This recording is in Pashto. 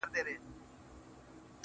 سپوږمۍ ترې وشرمېږي او الماس اړوي سترگي~